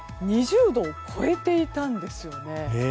２０度を超えていたんですよね。